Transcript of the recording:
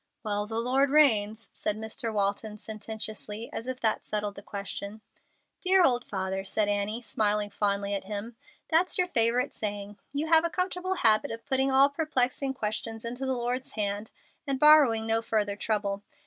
"Well, the Lord reigns," said Mr. Walton, sententiously, as if that settled the question. "Dear old father!" said Annie, smiling fondly at him, "that's your favorite saying. You have a comfortable habit of putting all perplexing questions into the Lord's hand and borrowing no further trouble.